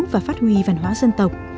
và phát huy văn hóa dân tộc